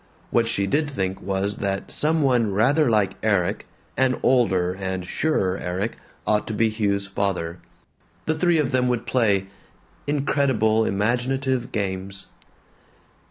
What she did think was that some one rather like Erik, an older and surer Erik, ought to be Hugh's father. The three of them would play incredible imaginative games.